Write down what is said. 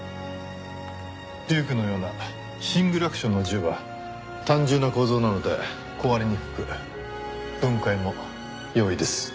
デュークのようなシングルアクションの銃は単純な構造なので壊れにくく分解も容易です。